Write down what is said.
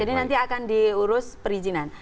jadi nanti akan diurus perizinan